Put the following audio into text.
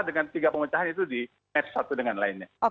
dengan tiga pemecahan itu di match satu dengan lainnya